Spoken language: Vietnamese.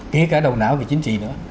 kể cả đầu não về chính trị nữa